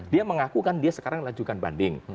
dia mengaku kan dia sekarang lajukan banding